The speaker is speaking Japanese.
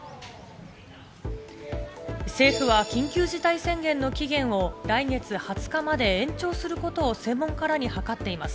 政府は緊急事態宣言の期限を来月２０日まで延長することを専門家らに諮っています。